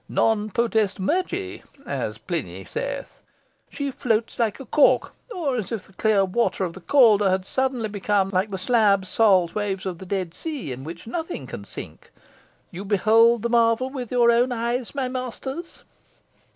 Non potest mergi, as Pliny saith. She floats like a cork, or as if the clear water of the Calder had suddenly become like the slab, salt waves of the Dead Sea, in which, nothing can sink. You behold the marvel with your own eyes, my masters."